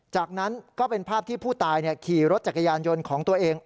จากนั้นก็เป็นภาพที่ผู้ตายขี่รถจักรยานยนต์ของตัวเอง